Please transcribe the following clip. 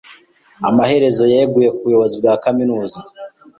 Amaherezo yeguye ku buyobozi bwa kaminuza.